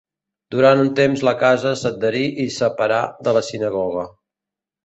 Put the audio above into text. Durant un temps la casa s'adherí i separà de la sinagoga.